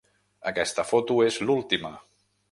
Aquesta foto és l'última.